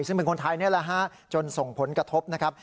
ซึ่งเป็นคนไทยนี่แหละฮะจนส่งผลกระทบนะครับ